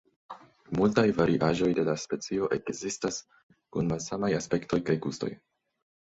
Multaj variaĵoj de la specio ekzistas, kun malsamaj aspektoj kaj gustoj.